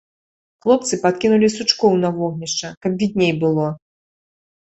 Хлопцы падкінулі сучкоў на вогнішча, каб відней было.